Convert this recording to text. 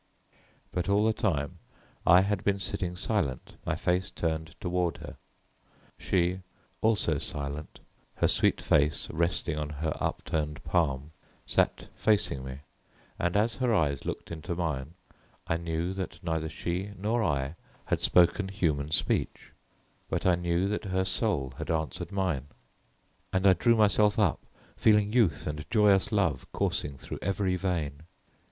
But all the time I had been sitting silent, my face turned toward her. She, also silent, her sweet face resting on her upturned palm, sat facing me, and as her eyes looked into mine I knew that neither she nor I had spoken human speech; but I knew that her soul had answered mine, and I drew myself up feeling youth and joyous love coursing through every vein.